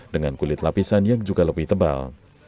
dengan kulit lapisan yang juga lebih tebal